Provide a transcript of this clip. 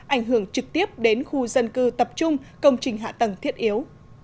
ảnh hưởng trực tiếp đến khu dân cư tập trung công trình hạ tầng thiết yếu